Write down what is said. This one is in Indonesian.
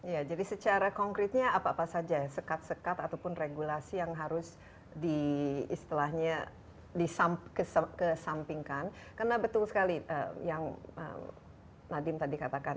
ya jadi secara ekonomi apa yang anda lakukan